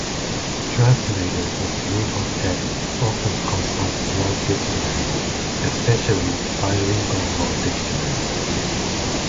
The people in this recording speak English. Translators of legal texts often consult law dictionaries, especially bilingual law dictionaries.